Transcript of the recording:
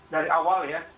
dari awal ya